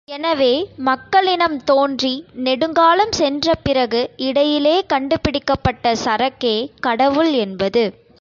எனவே, மக்களினம் தோன்றி நெடுங்காலம் சென்றபிறகு இடையிலே கண்டுபிடிக்கப்பட்ட சரக்கே கடவுள் என்பது.